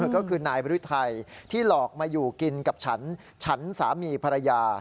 ก็คือนายบริไทยที่หลอกมาอยู่กินกับฉันฉันสามีภรรยา